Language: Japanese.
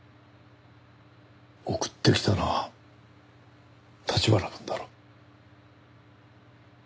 送ってきたのは橘くんだろう。